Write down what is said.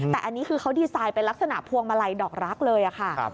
แต่อันนี้คือเขาดีไซน์เป็นลักษณะพวงมาลัยดอกรักเลยค่ะ